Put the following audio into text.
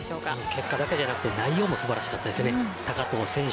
結果だけではなく内容も素晴らしかったです。